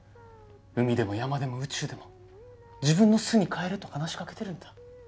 海でも山でも宇宙でも自分の巣に帰れと話しかけてるんだ。